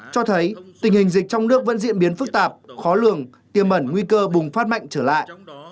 cho thấy tình hình dịch trong nước vẫn diễn biến phức tạp khó lường tiêm ẩn nguy cơ bùng phát mạnh trở lại